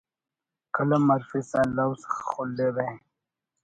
قلم ہرفسا لوز خلرہ